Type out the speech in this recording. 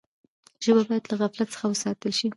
ژبه باید له غفلت څخه وساتل سي.